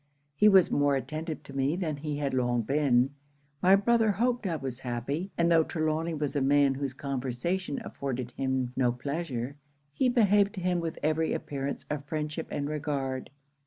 He was more attentive to me than he had long been. My brother hoped I was happy; and tho' Trelawny was a man whose conversation afforded him no pleasure, he behaved to him with every appearance of friendship and regard.